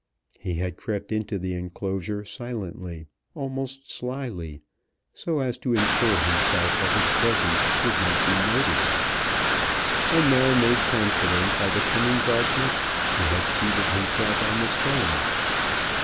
He had crept into the enclosure silently, almost slily, so as to insure himself that his presence should not be noted; and now, made confident by the coming darkness, he had seated himself on the stone.